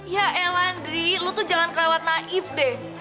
ya elandri lo tuh jangan kelewat naif deh